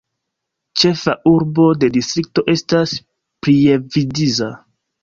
Ĉefa urbo de distrikto estas Prievidza.